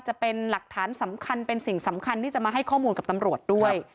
จะเป็นหลักฐานสำคัญเป็นสิ่งสำคัญที่จะมาให้ข้อมูลกับตำรวจด้วย